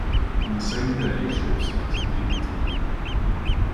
On the same day ships started leaving Tallinn.